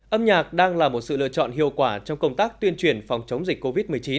âm nhạc đang là một sự lựa chọn hiệu quả trong công tác tuyên truyền phòng chống dịch covid một mươi chín